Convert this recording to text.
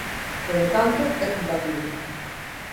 Polo tanto, é compatible.